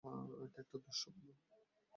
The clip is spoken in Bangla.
এটা একটা দুঃস্বপ্ন।